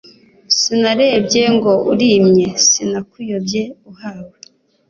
Sinarebye ngo urimye Sinakuyobye uhawe,